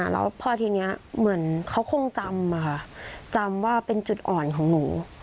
แล้วพอทีนี้เหมือนเขาคงจำจำว่าเป็นจุดอ่อนของหนู